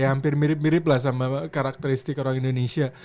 ya hampir mirip mirip lah sama karakteristik orang indonesia